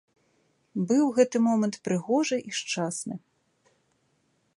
Быў гэты момант прыгожы і шчасны.